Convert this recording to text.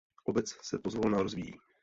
Obec se pozvolna rozvíjí.